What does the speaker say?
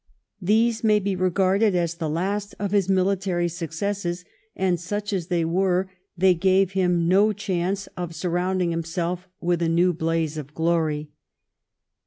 These may be regarded as the last of his military successes, and such as they were, they gave him no chance of surrounding himself with a new blaze of glory.